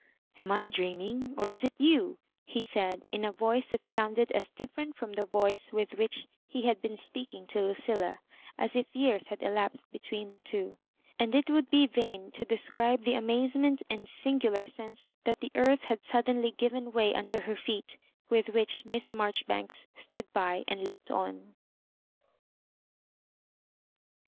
'* Am I dream ing, or is it youf" he said, in a voice that sounded as different from the voice with which he had been speaking to Lucilla, as if years had elapsed between the two. And it would be vain to describe the amazement and singular sense that the earth had suddenly given way under her feet, with which Miss Marjoribanks stood by and looked on.